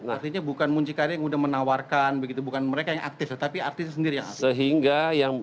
artinya bukan muncikari yang sudah menawarkan begitu bukan mereka yang aktif tetapi artisnya sendiri